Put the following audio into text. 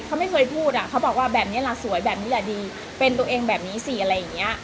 เขาไม่เคยพูดอ่ะเขาบอกว่าแบบนี้ล่ะสวยแบบนี้แหละดีเป็นตัวเองแบบนี้สิอะไรอย่างเงี้ย